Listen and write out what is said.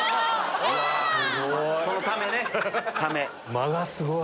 間がすごい。